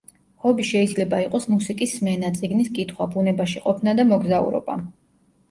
ჰობი შეიძლება იყოს მუსიკის სმენა, წიგნის კითხვა, ბუნებაში ყოფნა და მოგზაურობა.